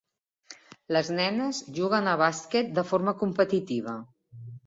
Les nenes juguen a bàsquet de forma competitiva